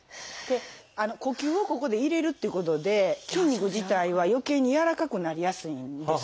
呼吸をここで入れるっていうことで筋肉自体はよけいに柔らかくなりやすいんです。